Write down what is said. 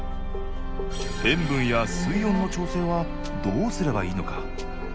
塩分や水温の調整はどうすればいいのか。